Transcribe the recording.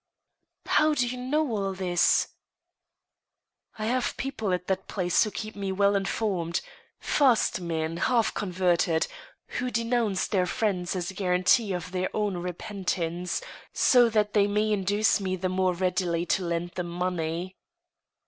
" How do you know all this ?"" I have people at that place who keep me well informed — fast men, half converted, who denounce their friends as a guarantee of their own repentance, so that they may induce me the more readily to lend them money."